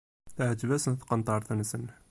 Teεǧeb-asen tqenṭert-nsen.